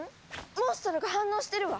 モンストロが反応してるわ！